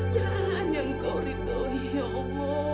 jalan yang kau rindui ya allah